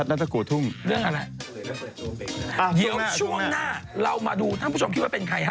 เดี๋ยวช่วงหน้าเรามาดูท่านผู้ชมคิดว่าเป็นใคร